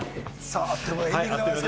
あっという間のエンディングです。